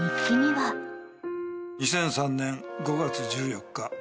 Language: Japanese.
「２００３年５月１４日」